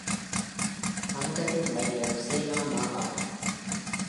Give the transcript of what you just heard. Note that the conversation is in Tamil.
கங்கரின் மையம் சேனா மாகாணம்.